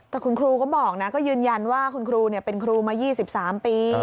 แต่คุณครูก็บอกนะก็ยืนยันว่าคุณครูเป็นครูมา๒๓ปี